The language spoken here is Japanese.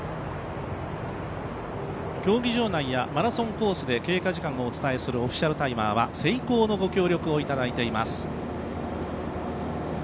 競技場内やマラソンコースにて経過時間をお伝えするオフィシャルタイマーはＳＥＩＫＯのご協力を頂いています。